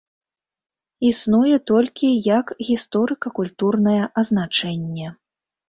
Існуе толькі як гісторыка-культурнае азначэнне.